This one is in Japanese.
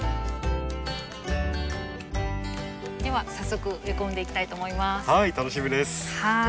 では早速植え込んでいきたいと思います。